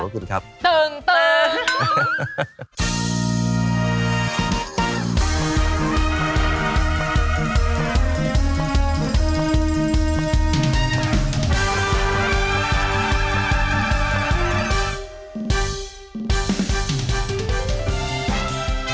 ขอบคุณมากครับออมเวอร์ไอซ์ครับ